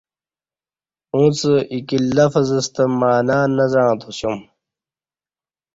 اݩڅ اکی لفظ ستہ معنہ نہ زعں تاسیوم ۔